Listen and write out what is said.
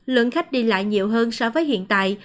lượng khách đi lại nhiều hơn so với hiện tại